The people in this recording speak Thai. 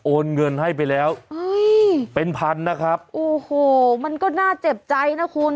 เงินให้ไปแล้วเป็นพันนะครับโอ้โหมันก็น่าเจ็บใจนะคุณ